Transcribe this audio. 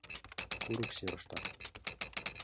Курык серыштак